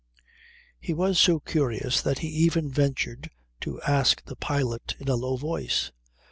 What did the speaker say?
He was so curious that he even ventured to ask the pilot in a low voice.